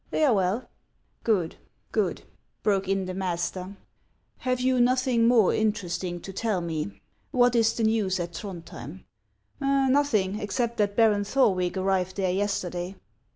" "They are well." " Good ! good !" broke in the master ;" have you noth in<» more interesting to tell me ? What is the news at o O Throndhjem ?" "Nothing, except that Baron Thorwick arrived there yesterday."